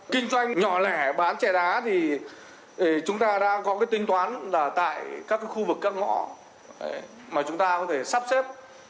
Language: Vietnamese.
kinh doanh nhỏ lẻ bán trẻ đá thì chúng ta đang có cái tính toán là tại các khu vực các ngõ mà chúng ta có thể sắp xếp